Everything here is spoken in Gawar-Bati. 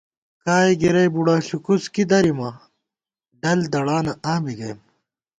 کائے گِرَئے بُڑہ ݪُکُڅ کی درِمہ ڈل دڑانہ آں بی گئیم